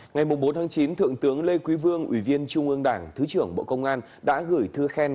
ngày bốn chín thượng tướng lê quý vương ủy viên trung ương đảng thứ trưởng bộ công an đã gửi thư khen